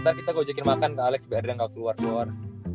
ntar kita gojekin makan ke alex biar nggak keluar keluar